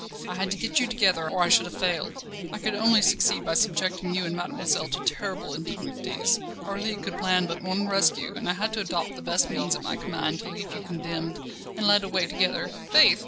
I had to get you together, or I should have failed. I could only succeed by subjecting you and mademoiselle to terrible indignities. Our League could plan but one rescue, and I had to adopt the best means at my command to have you condemned and led away together. Faith!"